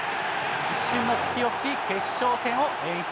一瞬の隙をつき、決勝点を演出。